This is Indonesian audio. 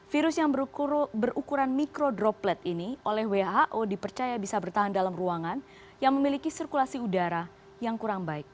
virus yang berukuran mikrodroplet ini oleh who dipercaya bisa bertahan dalam ruangan yang memiliki sirkulasi udara yang kurang baik